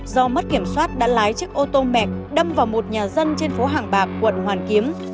do mất kiểm soát đã lái chiếc ô tô mẹt đâm vào một nhà dân trên phố hàng bạc quận hoàn kiếm